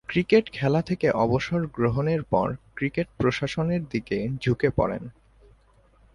Cricket খেলা থেকে অবসর গ্রহণের পর ক্রিকেট প্রশাসনের দিকে ঝুঁকে পড়েন।